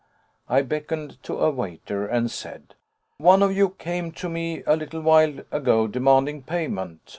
I beckoned to a waiter, and said: "One of you came to me a little while ago demanding payment.